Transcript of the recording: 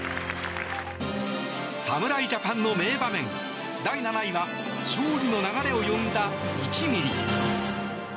侍ジャパンの名場面、第７位は勝利の流れを呼んだ１ミリ。